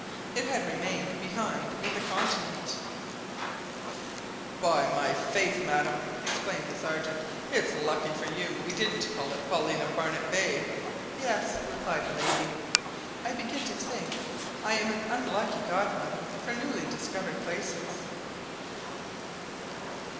It had remained behind with the continent "By my faith, madam!" exclaimed the Sergeant, "it's lucky for you we didn't call it Paulina Barnett Bay!" "Yes," replied the lady, "I begin to think I am an unlucky godmother for newly discovered places."